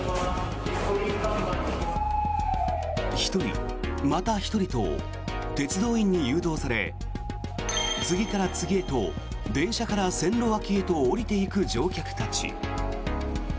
１人、また１人と鉄道員に誘導され次から次へと電車から線路脇へと降りていく乗客たち。